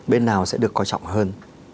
bên nào sẽ được coi trọng hơn